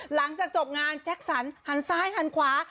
หลังจากจบงานแจ็คสันหันซ้ายหันขวา